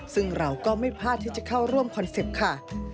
ซึ่งเราก็ไม่พลาดที่จะเข้าร่วมคอนเซ็ปต์ค่ะ